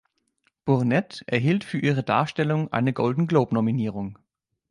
Burnett erhielt für ihre Darstellung eine Golden-Globe-Nominierung.